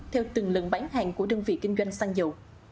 theo từng lần bán hàng của đơn vị kinh doanh xăng dầu